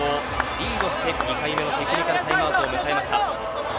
リードして２回目のテクニカルタイムアウトを迎えました。